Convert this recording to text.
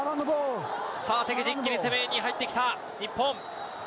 敵陣に攻めいってきた日本。